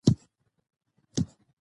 چې خپلو ټولګيو ته ولاړې